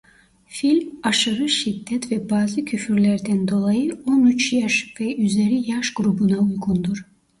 Film aşırı şiddet ve bazı küfürlerden dolayı on üç yaş ve üzeri yaş grubuna uygundur.